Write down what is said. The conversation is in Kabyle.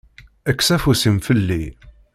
Kkes afus-im fell-i.